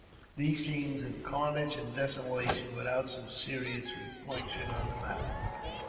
these scenes of carnage and desolation without some serious* reflections on the matter.